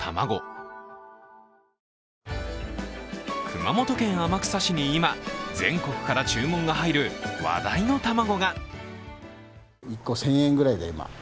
熊本県天草市に今、全国から注文が入る話題の卵が。